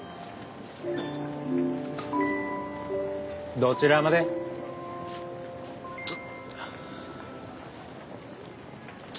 どちらまで？とはあ。